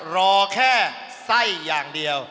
รอแค่ไส้อย่างเดียว